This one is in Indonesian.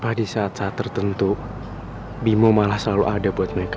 karena di saat saat tertentu bimo malah selalu ada buat mereka